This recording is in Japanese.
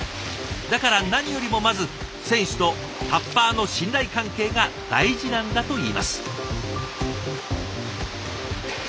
だから何よりもまず選手とタッパーの信頼関係が大事なんだといいます。